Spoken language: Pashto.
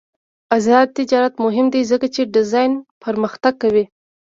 آزاد تجارت مهم دی ځکه چې ډیزاین پرمختګ کوي.